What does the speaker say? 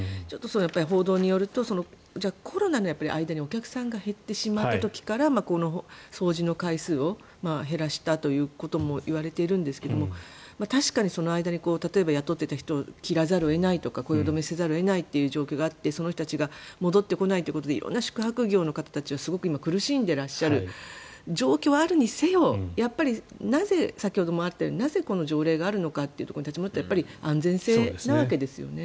報道によるとコロナの間にお客さんが減ってしまった時からこの掃除の回数を減らしたということもいわれているんですけれども確かに、その間に例えば、雇っていた人を切らざるを得ないとか雇用止めせざるを得ないという状況があってその人たちが戻ってこないことで色んな宿泊業の方たちはすごく今苦しんでいらっしゃる状況はあるにせよやっぱり先ほどもあったようになぜ、この条例があるのかというところに立ち戻ってやっぱり安全性なわけですよね。